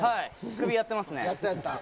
首やってますね。